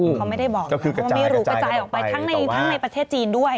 เขาไม่ได้บอกเพราะว่าไม่รู้กระจายออกไปทั้งในประเทศจีนด้วย